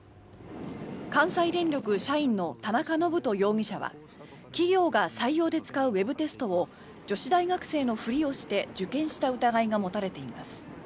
関西電力社員の田中信人容疑者は企業が採用で使うウェブテストを女子大学生のふりをして受験した疑いが持たれています。